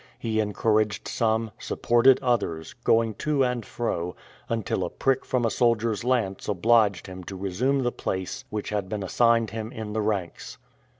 He encouraged some, supported others, going to and fro, until a prick from a soldier's lance obliged him to resume the place which had been assigned him in the ranks.